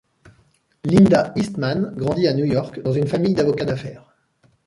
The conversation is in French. Linda Eastman grandit à New York, dans une famille d'avocats d'affaires.